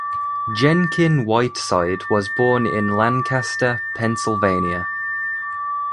Jenkin Whiteside was born in Lancaster, Pennsylvania.